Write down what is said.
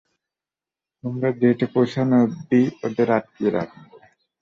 তোমরা জেটে পৌঁছানো অব্ধি ওদের আটকিয়ে রাখবো।